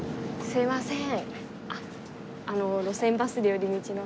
すいません。